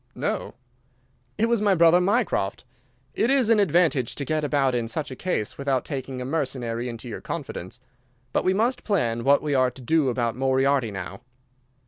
"No." "It was my brother Mycroft. It is an advantage to get about in such a case without taking a mercenary into your confidence. But we must plan what we are to do about Moriarty now."